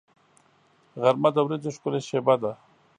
غرمه د ورځې ښکلې شېبه ده